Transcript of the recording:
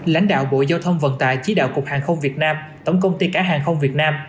lãnh đạo bộ giao thông vận tải chỉ đạo cục hàng không việt nam tổng công ty cả hàng không việt nam